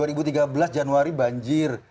banjir gitu loh dua ribu tiga belas januari banjir